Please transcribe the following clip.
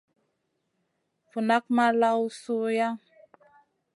Vu nak ma lawn sui nʼa.